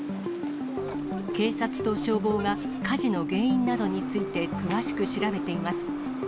警察と消防が火事の原因などについて詳しく調べています。